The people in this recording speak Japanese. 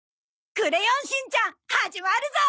『クレヨンしんちゃん』始まるぞ！